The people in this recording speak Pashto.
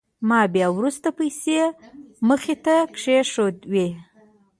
ما بيا ورته پيسې مخې ته كښېښووې.